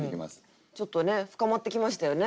ちょっとね深まってきましたよね